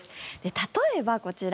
例えばこちら。